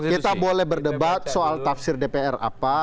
kita boleh berdebat soal tafsir dpr apa